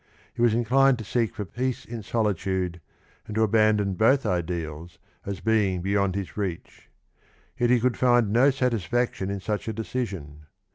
He was inclined to seek for peace in solitude, and to abandon both ideals as being beyond his reach. Yet he could fmd no satisfaction in such a decision.